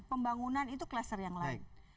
pembangunan itu klaster yang lain